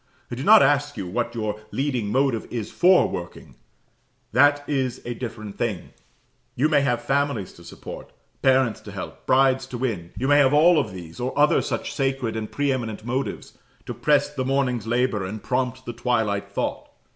I do not ask you what your leading motive is for working that is a different thing; you may have families to support parents to help brides to win; you may have all these, or other such sacred and pre eminent motives, to press the morning's labour and prompt the twilight thought.